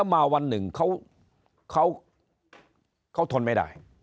มาวันหนึ่งเขาเขาเขาทนไม่